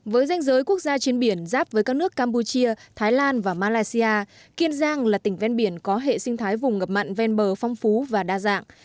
với danh giới quốc gia trên biển giáp với các nước campuchia thái lan và malaysia kiên giang là tỉnh ven biển có hệ sinh thái vùng ngập mặn ven bờ phong phú và đa dạng